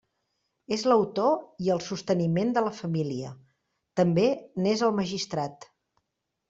És l'autor i el sosteniment de la família; també n'és el magistrat.